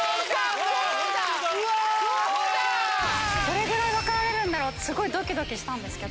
どれぐらい分かるんだろうってドキドキした。